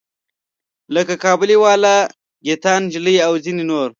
لکه کابلی والا، ګیتا نجلي او ځینې نور.